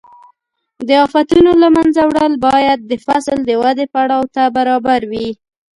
د آفتونو له منځه وړل باید د فصل د ودې پړاو ته برابر وي.